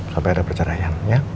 sampai ada perceraian ya